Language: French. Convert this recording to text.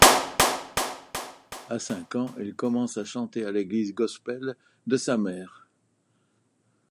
À cinq ans, il commence à chanter à l'église gospel de sa mère.